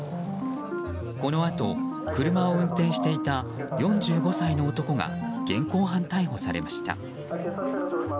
このあと、車を運転していた４５歳の男が現行犯逮捕されました。